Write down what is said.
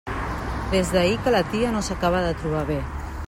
Des d'ahir que la tia no s'acaba de trobar bé.